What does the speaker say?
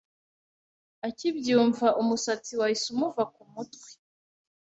akibyumva umusatsi wahise umuva ku mutwe